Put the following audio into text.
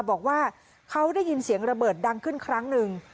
บอกว่าเขาได้ยินเสียงระเบิดดังขึ้นครั้งหนึ่ง